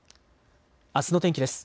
あすの天気です。